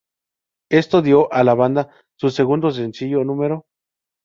Esto dio a la banda su segundo sencillo No.